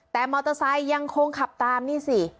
แต่มอเตอร์ไซค์ยังคงขับตามนี่สิ